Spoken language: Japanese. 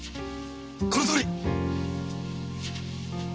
このとおり！